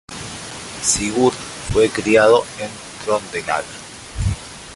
Sigurd fue criado en Trøndelag.